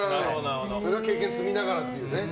それは経験を積みながらというね。